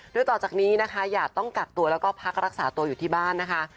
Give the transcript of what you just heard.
โดยต่อจากนี้นะคะอย่าต้องกักตัวแล้วก็พักรักษาตัวอยู่ที่บ้านนะคะ